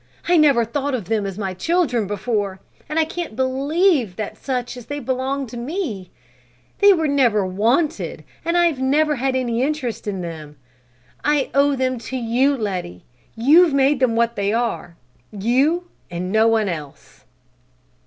I never thought of them as my children before, and I can't believe that such as they can belong to me. They were never wanted, and I've never had any interest in them. I owe them to you, Letty; you've made them what they are; you, and no one else."